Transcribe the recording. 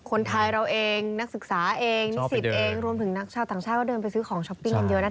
คนไทยเราเองนักศึกษาเองนิสิตเองรวมถึงนักชาวต่างชาติก็เดินไปซื้อของช้อปปิ้งกันเยอะนะคะ